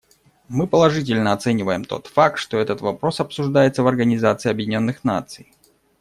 Мы положительно оцениваем тот факт, что этот вопрос обсуждается в Организации Объединенных Наций.